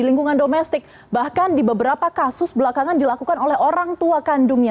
lingkungan domestik bahkan di beberapa kasus belakangan dilakukan oleh orang tua kandungnya